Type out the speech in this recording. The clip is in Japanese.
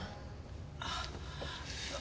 あっ。